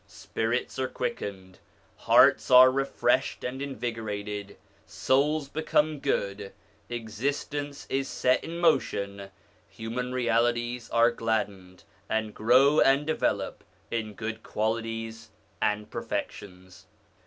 Spirits are quickened, hearts are refreshed and in vigorated, souls become good, existence is set in motion, human realities are gladdened, and grow and develop in good qualities and perfections.